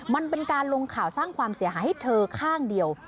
มันเป็นการลงข่าวสร้างความเสียหายให้เธอข้างเดียว